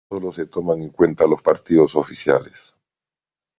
Solo se toman en cuenta los partidos oficiales.